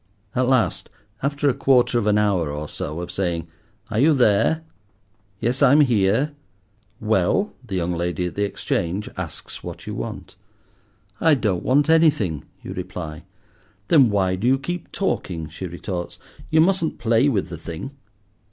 At last, after a quarter of an hour or so of saying, "Are you there?" "Yes, I'm here," "Well?" the young lady at the Exchange asks what you want. "I don't want anything," you reply. "Then why do you keep talking?" she retorts; "you mustn't play with the thing."